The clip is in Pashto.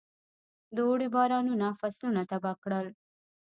د اوړي بارانونو فصلونه تباه کړل.